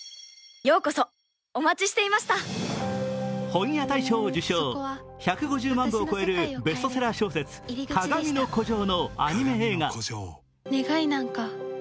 本屋大賞を受賞、１５０万部を超えるベストセラー小説「かがみの孤城」のアニメ映画。